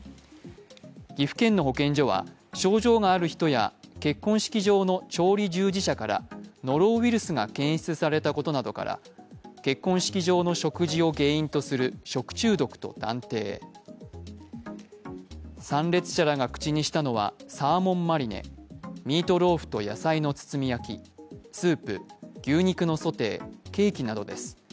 岐阜県の保健所は症状がある人や結婚式場の調理従事者からノロウイルスが検出されたことなどから結婚式場の食事を原因とする食中毒と断定参列者らが口にしたのはサーモンマリネ、ミートローフと野菜の包み焼き、スープ、牛肉のソテー、ケーキなどです。